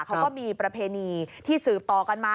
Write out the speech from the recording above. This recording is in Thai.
เขาก็มีประเพณีที่สืบต่อกันมา